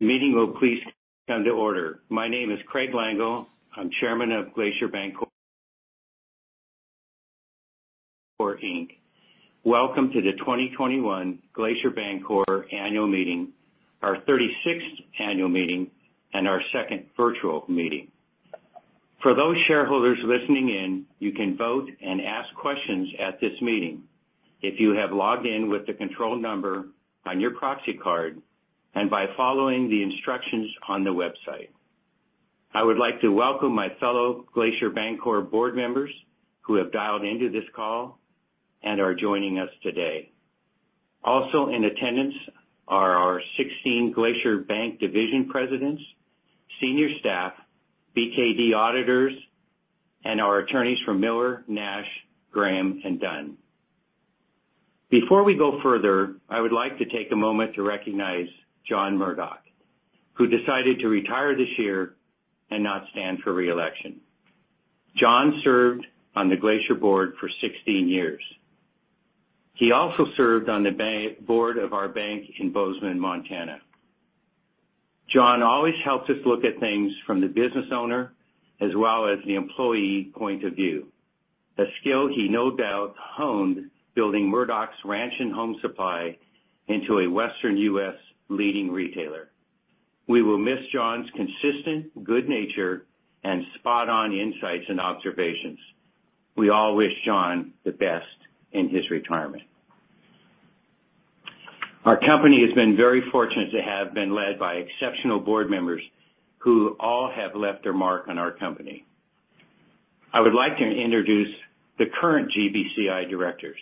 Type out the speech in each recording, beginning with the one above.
Meeting will please come to order. My name is Craig Langel. I'm Chairman of Glacier Bancorp, Inc. Welcome to the 2021 Glacier Bancorp annual meeting, our 36th annual meeting and our second virtual meeting. For those shareholders listening in, you can vote and ask questions at this meeting if you have logged in with the control number on your proxy card and by following the instructions on the website. I would like to welcome my fellow Glacier Bancorp board members who have dialed into this call and are joining us today. Also in attendance are our 16 Glacier Bank division presidents, senior staff, BKD auditors, and our attorneys from Miller Nash Graham & Dunn. Before we go further, I would like to take a moment to recognize John Murdoch, who decided to retire this year and not stand for re-election. John served on the Glacier board for 16 years. He also served on the board of our bank in Bozeman, Montana. John always helps us look at things from the business owner as well as the employee point of view, a skill he no doubt honed building Murdoch's Ranch & Home Supply into a Western U.S. leading retailer. We will miss John's consistent good nature and spot-on insights and observations. We all wish John the best in his retirement. Our company has been very fortunate to have been led by exceptional board members who all have left their mark on our company. I would like to introduce the current GBCI directors,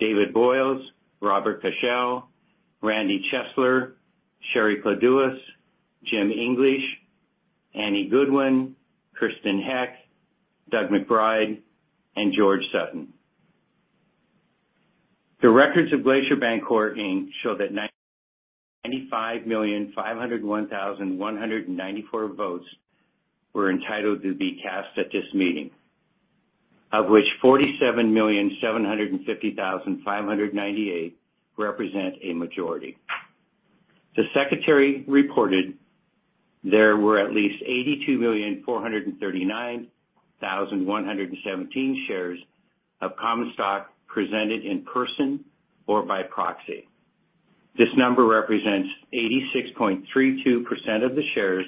David Boyles, Robert Cashell, Randy Chesler, Sherry Cladouhos, Jim English, Annie Goodwin, Kristen Heck, Doug McBride, and George Sutton. The records of Glacier Bancorp, Inc. show that 95,501,194 votes were entitled to be cast at this meeting, of which 47,750,598 represent a majority. The secretary reported there were at least 82,439,117 shares of common stock presented in person or by proxy. This number represents 86.32% of the shares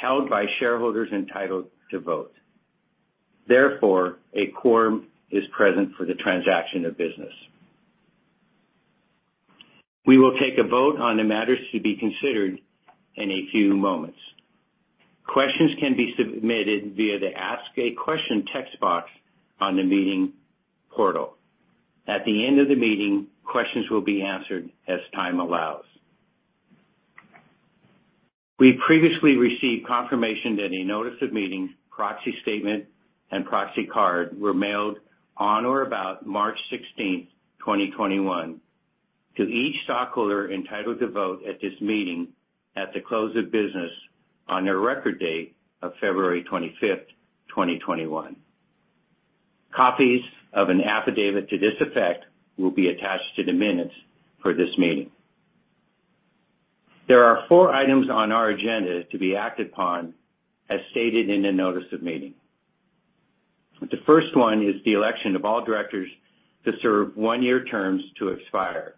held by shareholders entitled to vote. Therefore, a quorum is present for the transaction of business. We will take a vote on the matters to be considered in a few moments. Questions can be submitted via the Ask a Question text box on the meeting portal. At the end of the meeting, questions will be answered as time allows. We previously received confirmation that a notice of meeting, proxy statement, and proxy card were mailed on or about March 16th, 2021 to each stockholder entitled to vote at this meeting at the close of business on their record date of February 25th, 2021. Copies of an affidavit to this effect will be attached to the minutes for this meeting. There are four items on our agenda to be acted upon as stated in the notice of meeting. The first one is the election of all directors to serve one-year terms to expire.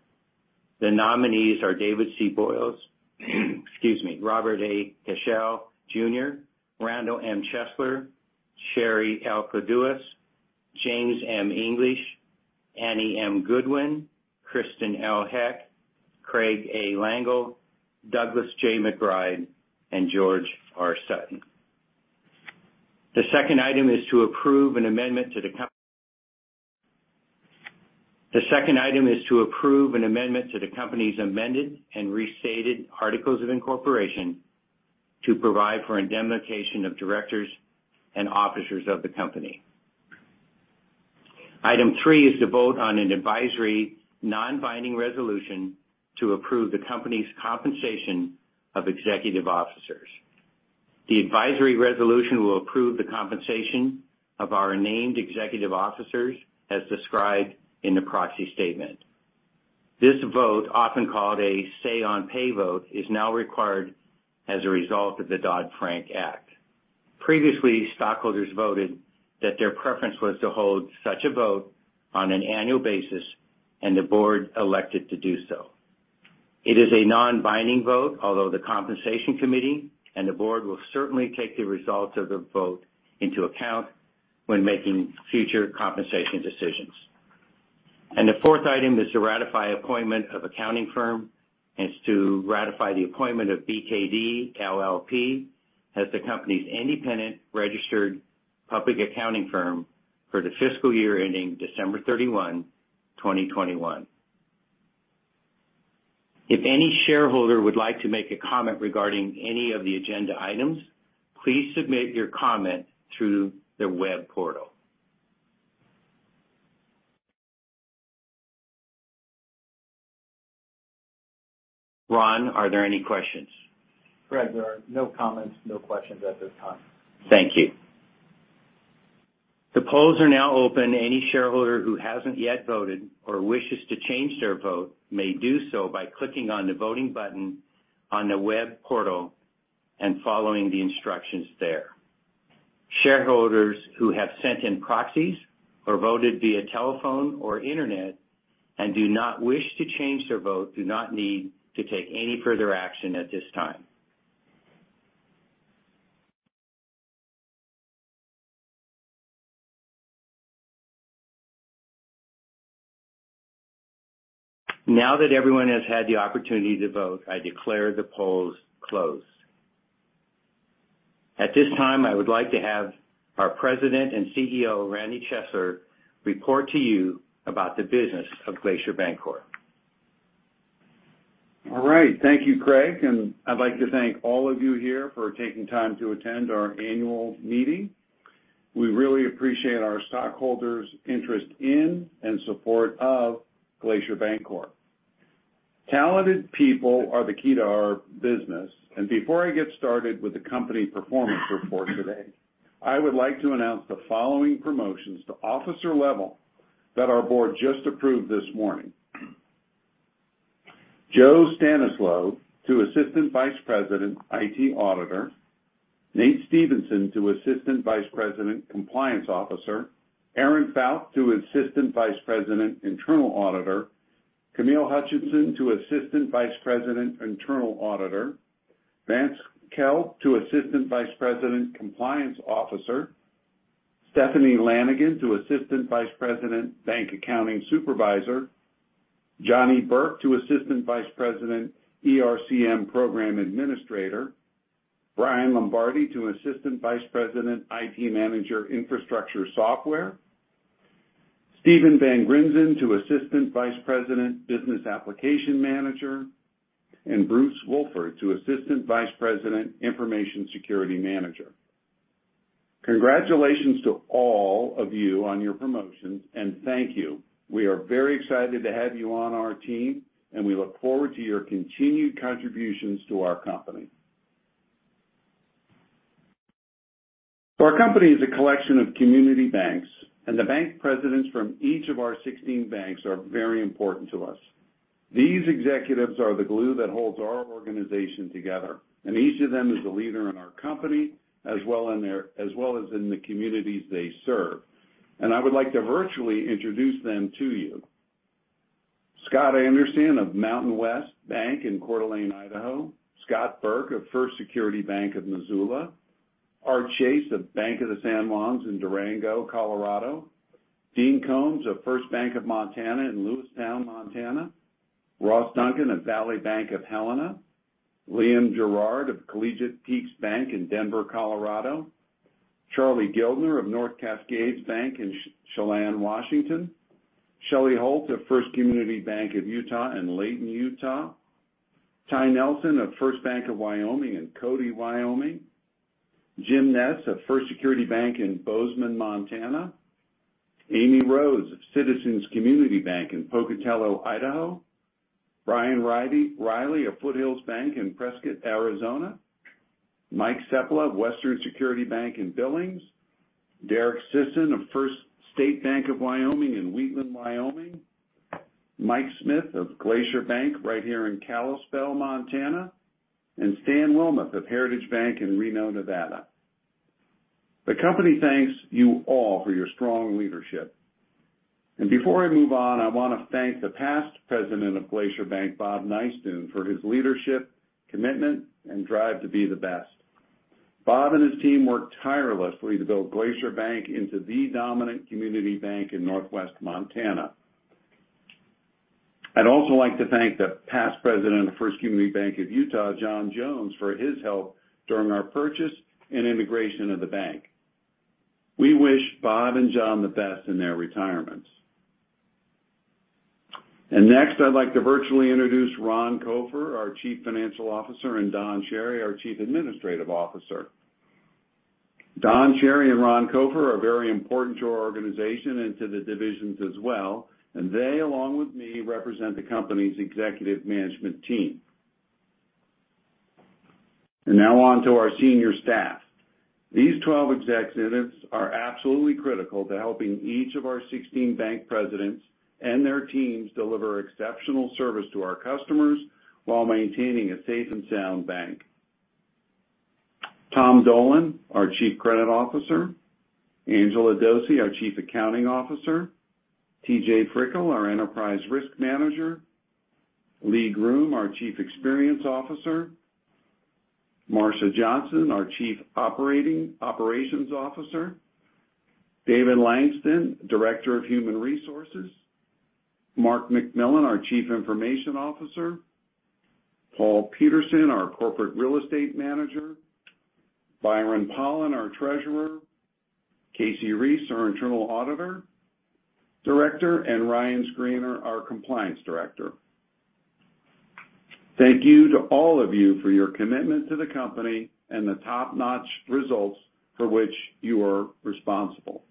The nominees are David C. Boyles, excuse me, Robert A. Cashell, Jr., Randall M. Chesler, Sherry L. Cladouhos, James M. English, Annie M. Goodwin, Kristen L. Heck, Craig A. Langel, Douglas J. McBride, and George R. Sutton. The second item is to approve an amendment to the company's amended and restated articles of incorporation to provide for indemnification of directors and officers of the company. Item three is to vote on an advisory non-binding resolution to approve the company's compensation of executive officers. The advisory resolution will approve the compensation of our named executive officers as described in the proxy statement. This vote, often called a say on pay vote, is now required as a result of the Dodd-Frank Act. Previously, stockholders voted that their preference was to hold such a vote on an annual basis, and the board elected to do so. It is a non-binding vote, although the compensation committee and the board will certainly take the results of the vote into account when making future compensation decisions. The fourth item is to ratify appointment of accounting firm and is to ratify the appointment of BKD, LLP as the company's independent registered public accounting firm for the fiscal year ending December 31, 2021. If any shareholder would like to make a comment regarding any of the agenda items, please submit your comment through the web portal. Ron, are there any questions? Craig, there are no comments, no questions at this time. Thank you. The polls are now open. Any shareholder who hasn't yet voted or wishes to change their vote may do so by clicking on the voting button on the web portal and following the instructions there. Shareholders who have sent in proxies or voted via telephone or internet and do not wish to change their vote do not need to take any further action at this time. Now that everyone has had the opportunity to vote, I declare the polls closed. At this time, I would like to have our President and CEO, Randy Chesler, report to you about the business of Glacier Bancorp. All right. Thank you, Craig, and I'd like to thank all of you here for taking time to attend our annual meeting. We really appreciate our stockholders' interest in and support of Glacier Bancorp. Talented people are the key to our business. Before I get started with the company performance report today, I would like to announce the following promotions to officer level that our board just approved this morning. Joe Stanislao to Assistant Vice President, IT Auditor. Nate Stevenson to Assistant Vice President, Compliance Officer. Erin Fout to Assistant Vice President, Internal Auditor. Camille Hutchinson to Assistant Vice President, Internal Auditor. Vance Kell to Assistant Vice President, Compliance Officer. Stephanie Lanigan to Assistant Vice President, Bank Accounting Supervisor. Johnny Burke to Assistant Vice President, ERCM Program Administrator. Brian Lombardi to Assistant Vice President, IT Manager, Infrastructure Software. Stephen Van Rinzen to Assistant Vice President, Business Application Manager, and Bruce Wolford to Assistant Vice President, Information Security Manager. Congratulations to all of you on your promotions, and thank you. We are very excited to have you on our team, and we look forward to your continued contributions to our company. Our company is a collection of community banks, and the bank presidents from each of our 16 banks are very important to us. These executives are the glue that holds our organization together, and each of them is a leader in our company, as well as in the communities they serve. I would like to virtually introduce them to you. Scott Anderson of Mountain West Bank in Coeur d'Alene, Idaho. Scott Burke of First Security Bank of Missoula. Art Chase of Bank of the San Juans in Durango, Colorado. Dean Comes of First Bank of Montana in Lewistown, Montana. Ross Duncan of Valley Bank of Helena. Liam Girard of Collegiate Peaks Bank in Denver, Colorado. Charlie Guildner of North Cascades Bank in Chelan, Washington. Shelley Holt of First Community Bank of Utah in Layton, Utah. Ty Nelson of First Bank of Wyoming in Cody, Wyoming. Jim Ness of First Security Bank in Bozeman, Montana. Amy Rose of Citizens Community Bank in Pocatello, Idaho. Brian Reilly of Foothills Bank in Prescott, Arizona. Mike Seppala of Western Security Bank in Billings. Derrick Sisson of First State Bank of Wyoming in Wheatland, Wyoming. Mike Smith of Glacier Bank right here in Kalispell, Montana, and Stan Wilmoth of Heritage Bank of Nevada in Reno, Nevada. The company thanks you all for your strong leadership. Before I move on, I want to thank the past president of Glacier Bank, Bob Nystuen, for his leadership, commitment, and drive to be the best. Bob and his team worked tirelessly to build Glacier Bank into the dominant community bank in Northwest Montana. I'd also like to thank the past president of First Community Bank of Utah, John Jones, for his help during our purchase and integration of the bank. We wish Bob and John the best in their retirements. Next, I'd like to virtually introduce Ron Copher, our Chief Financial Officer, and Don Chery, our Chief Administrative Officer. Don Chery and Ron Copher are very important to our organization and to the divisions as well, and they, along with me, represent the company's executive management team. Now on to our senior staff. These 12 executives are absolutely critical to helping each of our 16 bank presidents and their teams deliver exceptional service to our customers while maintaining a safe and sound bank. Tom Dolan, our Chief Credit Officer. Angela Dossey, our Chief Accounting Officer. T.J. Frickel, our Enterprise Risk Manager. Lee Groom, our Chief Experience Officer. Marcia Johnson, our Chief Operations Officer. David Langston, Director of Human Resources. Mark MacMillan, our Chief Information Officer. Paul Peterson, our Corporate Real Estate Manager. Byron Pollan, our Treasurer. Kasey Reese, our Internal Auditor Director, and Ryan Screnar, our Compliance Director. Thank you to all of you for your commitment to the company and the top-notch results for which you are responsible.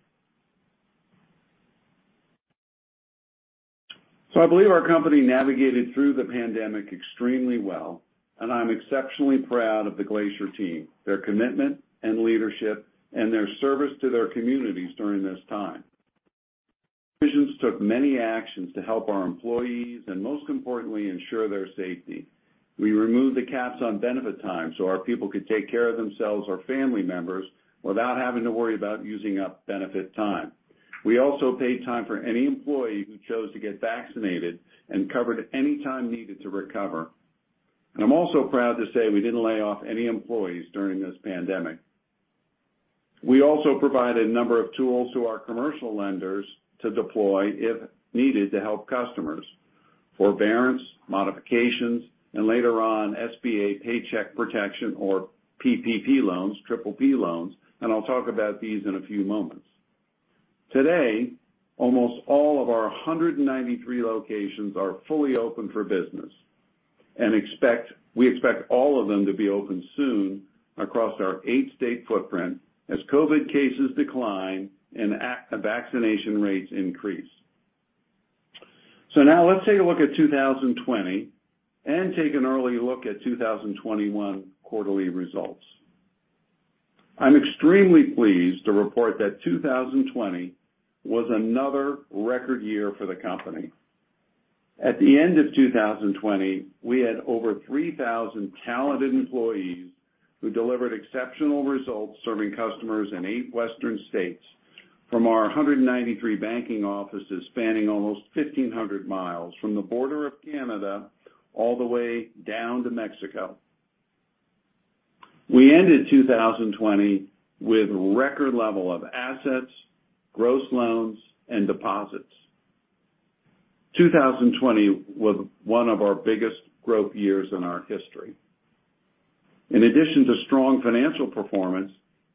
I believe our company navigated through the pandemic extremely well, and I'm exceptionally proud of the Glacier team, their commitment and leadership, and their service to their communities during this time. Management took many actions to help our employees and most importantly, ensure their safety. We removed the caps on benefit time so our people could take care of themselves or family members without having to worry about using up benefit time. We also paid time for any employee who chose to get vaccinated and covered any time needed to recover. I'm also proud to say we didn't lay off any employees during this pandemic. We also provided a number of tools to our commercial lenders to deploy if needed to help customers. Forbearance, modifications, and later on, SBA Paycheck Protection or PPP loans, I'll talk about these in a few moments. Today, almost all of our 193 locations are fully open for business. We expect all of them to be open soon across our eight-state footprint as COVID cases decline and vaccination rates increase. Now let's take a look at 2020 and take an early look at 2021 quarterly results. I'm extremely pleased to report that 2020 was another record year for the company. At the end of 2020, we had over 3,000 talented employees who delivered exceptional results serving customers in eight western states from our 193 banking offices spanning almost 1,500 mi from the border of Canada all the way down to Mexico. We ended 2020 with record level of assets, gross loans, and deposits. 2020 was one of our biggest growth years in our history. In addition to strong financial performance,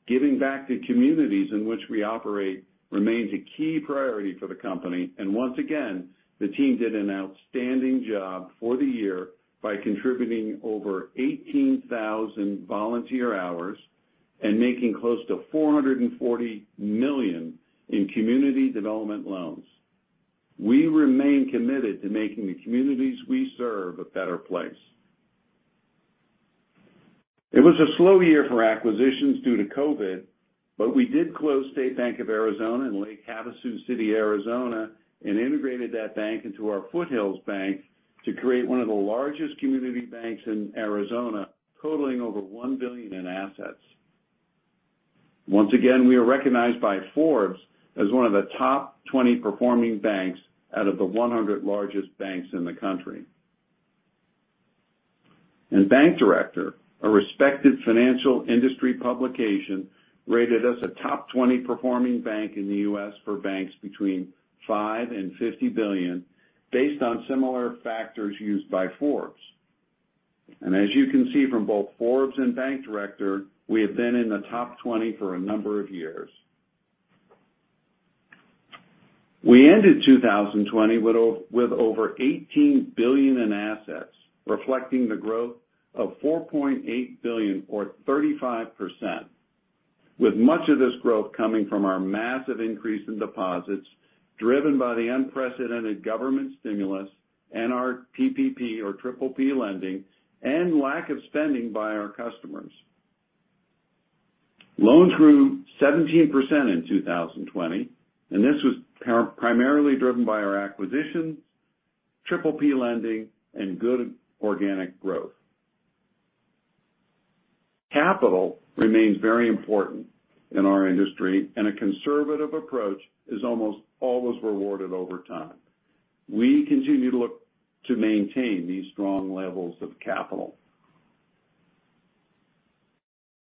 giving back to communities in which we operate remains a key priority for the company, and once again, the team did an outstanding job for the year by contributing over 18,000 volunteer hours and making close to $440 million in community development loans. We remain committed to making the communities we serve a better place. It was a slow year for acquisitions due to COVID, but we did close State Bank of Arizona in Lake Havasu City, Arizona, and integrated that bank into our Foothills Bank to create one of the largest community banks in Arizona, totaling over $1 billion in assets. Once again, we are recognized by Forbes as one of the top 20 performing banks out of the 100 largest banks in the country. Bank Director, a respected financial industry publication, rated us a top 20 performing bank in the U.S. for banks between five and 50 billion based on similar factors used by Forbes. As you can see from both Forbes and Bank Director, we have been in the top 20 for a number of years. We ended 2020 with over $18 billion in assets, reflecting the growth of $4.8 billion or 35%, with much of this growth coming from our massive increase in deposits driven by the unprecedented government stimulus and our PPP lending and lack of spending by our customers. Loans grew 17% in 2020. This was primarily driven by our acquisitions, PPP lending, and good organic growth. Capital remains very important in our industry, and a conservative approach is almost always rewarded over time. We continue to look to maintain these strong levels of capital.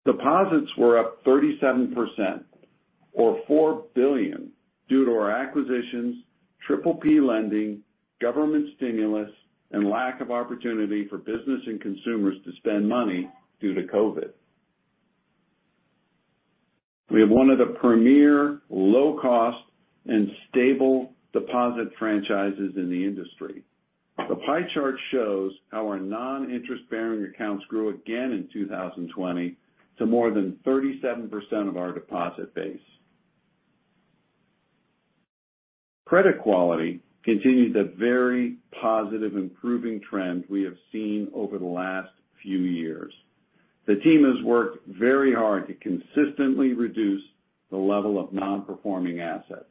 Deposits were up 37% or $4 billion due to our acquisitions, PPP lending, government stimulus, and lack of opportunity for business and consumers to spend money due to COVID. We have one of the premier low-cost and stable deposit franchises in the industry. The pie chart shows how our non-interest-bearing accounts grew again in 2020 to more than 37% of our deposit base. Credit quality continued the very positive improving trend we have seen over the last few years. The team has worked very hard to consistently reduce the level of non-performing assets.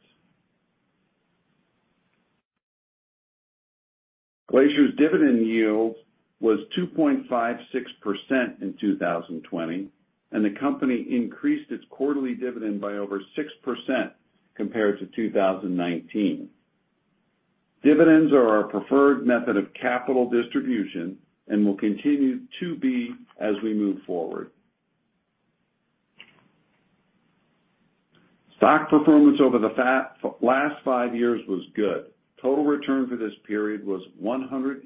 Glacier's dividend yield was 2.56% in 2020, and the company increased its quarterly dividend by over 6% compared to 2019. Dividends are our preferred method of capital distribution and will continue to be as we move forward. Stock performance over the last five years was good. Total return for this period was 107%.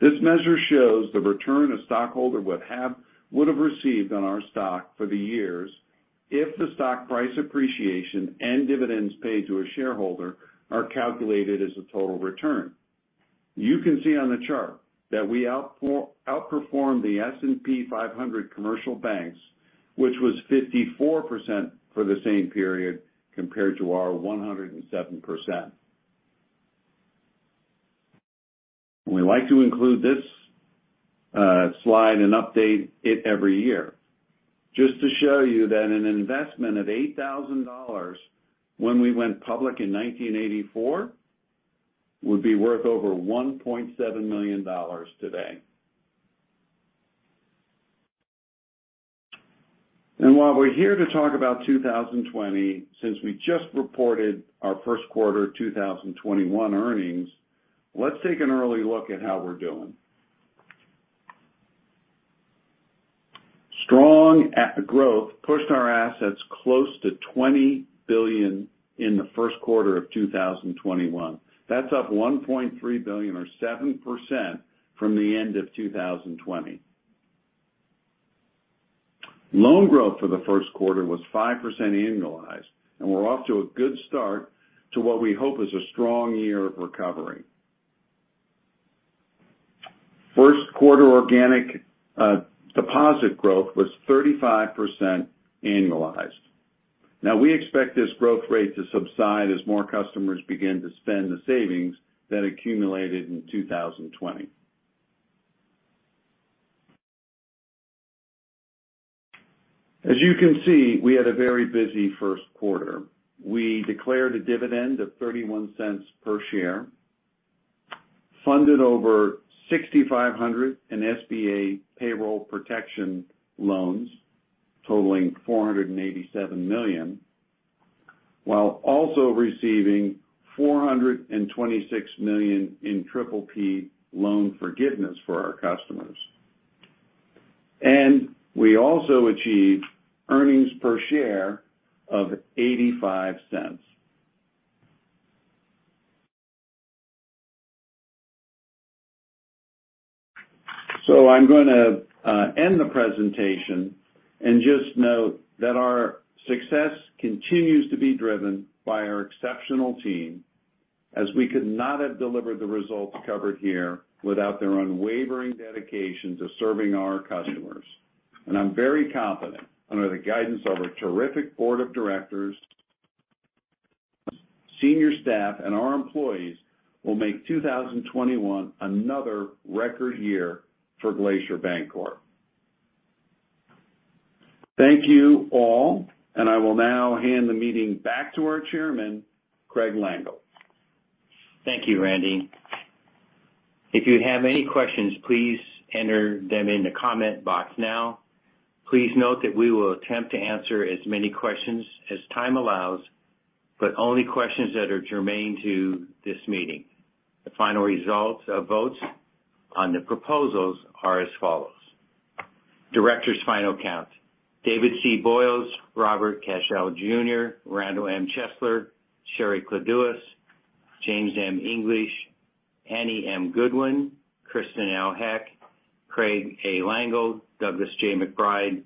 This measure shows the return a stockholder would have received on our stock for the years if the stock price appreciation and dividends paid to a shareholder are calculated as a total return. You can see on the chart that we outperformed the S&P 500 commercial banks, which was 54% for the same period, compared to our 107%. We like to include this slide and update it every year just to show you that an investment of $8,000 when we went public in 1984 would be worth over $1.7 million today. While we're here to talk about 2020, since we just reported our first quarter 2021 earnings, let's take an early look at how we're doing. Strong growth pushed our assets close to $20 billion in the first quarter of 2021. That's up $1.3 billion, or 7%, from the end of 2020. Loan growth for the first quarter was 5% annualized, and we're off to a good start to what we hope is a strong year of recovery. First quarter organic deposit growth was 35% annualized. Now, we expect this growth rate to subside as more customers begin to spend the savings that accumulated in 2020. As you can see, we had a very busy first quarter. We declared a dividend of $0.31 per share, funded over 6,500 in SBA payroll protection loans totaling $487 million, while also receiving $426 million in PPP loan forgiveness for our customers. We also achieved earnings per share of 85 cents. I'm going to end the presentation and just note that our success continues to be driven by our exceptional team, as we could not have delivered the results covered here without their unwavering dedication to serving our customers. I'm very confident, under the guidance of our terrific board of directors, senior staff, and our employees, we'll make 2021 another record year for Glacier Bancorp. Thank you all, and I will now hand the meeting back to our Chairman, Craig Langel. Thank you, Randy. If you have any questions, please enter them in the comment box now. Please note that we will attempt to answer as many questions as time allows, but only questions that are germane to this meeting. The final results of votes on the proposals are as follows. Directors final count. David C. Boyles, Robert Cashell Jr., Randall M. Chesler, Sherry L. Cladouhos, James M. English, Annie M. Goodwin, Kristen L. Heck, Craig A. Langel, Douglas J. McBride,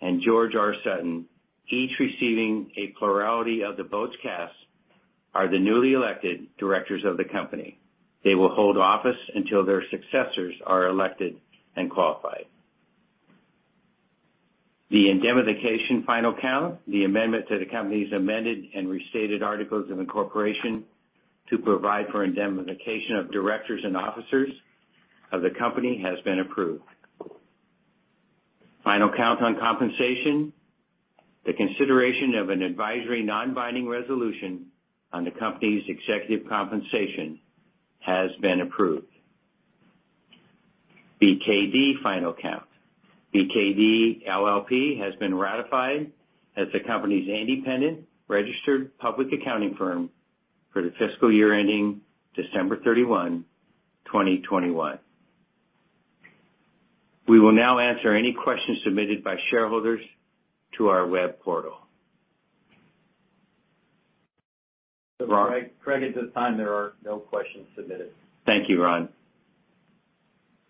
and George R. Sutton, each receiving a plurality of the votes cast, are the newly elected directors of the company. They will hold office until their successors are elected and qualified. The indemnification final count. The amendment to the company's amended and restated articles of incorporation to provide for indemnification of directors and officers of the company has been approved. Final count on compensation. The consideration of an advisory non-binding resolution on the company's executive compensation has been approved. BKD final count. BKD LLP has been ratified as the company's independent registered public accounting firm for the fiscal year ending December 31, 2021. We will now answer any questions submitted by shareholders to our web portal. Ron? Craig, at this time, there are no questions submitted. Thank you, Ron.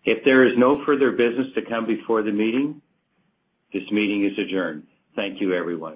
If there is no further business to come before the meeting, this meeting is adjourned. Thank you, everyone.